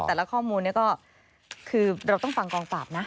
แต่ละข้อมูลนี้ก็คือเราต้องฟังกองปราบนะ